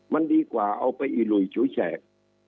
มันดีกว่าเอาไปอิหลุยฉุยแฉก